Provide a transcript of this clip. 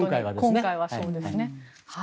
今回はそうですね。